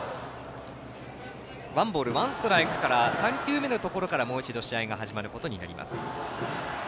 ワンボールワンストライク３球目のところからもう一度試合が始まることになります。